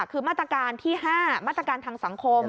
คือมาตรการที่๕มาตรการทางสังคม